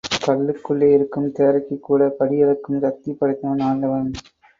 கல்லுக்குள்ளே இருக்கும் தேரைக்குக் கூட படியளக்கும் சத்தி படைச்சவன் ஆண்டவன்.